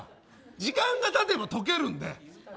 時間が経てば溶けるんで。